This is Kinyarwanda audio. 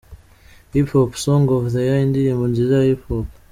Hip Hop song of the year: Indirimbo nziza ya Hip Hop.